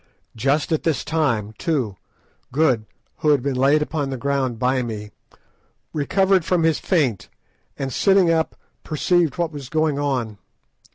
Just at this time, too, Good, who had been laid upon the ground by me, recovered from his faint, and, sitting up, perceived what was going on.